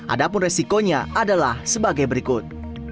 ada pun resikonya adalah sebagai berikut